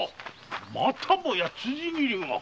またもや辻斬りが！